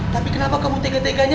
tapi kenapa kamu tegak tegaknya